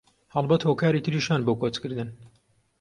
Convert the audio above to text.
هەڵبەت هۆکاری تریش هەن بۆ کۆچکردن